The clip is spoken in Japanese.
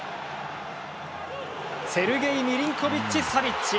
セルゲイ・ミリンコビッチサビッチ！